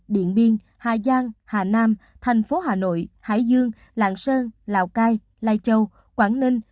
điện biên hà giang hà nam thành phố hà nội hải dương lạng sơn lào cai lai châu quảng ninh